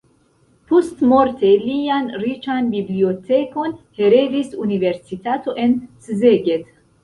Postmorte lian riĉan bibliotekon heredis universitato en Szeged.